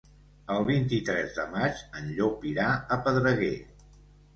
El vint-i-tres de maig en Llop irà a Pedreguer.